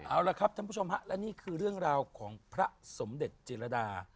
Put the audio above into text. เอาละครับท่านผู้ชมฮะและนี่คือเรื่องราวของพระสมเด็จจิรดา